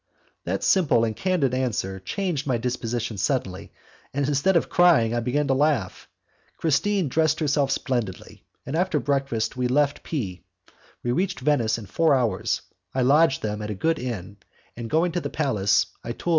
That simple and candid answer changed my disposition suddenly, and, instead of crying, I began to laugh. Christine dressed herself splendidly, and after breakfast we left P . We reached Venice in four hours. I lodged them at a good inn, and going to the palace, I told M.